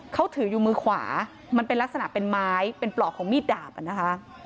เขาถืออยู่มือขวามันเป็นลักษณะเป็นไม้เป็นปลอกของมีดดาบอ่ะนะคะ